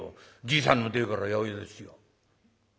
じいさんの代から八百屋ですよ」。